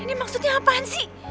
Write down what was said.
ini maksudnya apaan sih